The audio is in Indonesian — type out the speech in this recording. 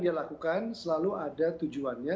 dia lakukan selalu ada tujuannya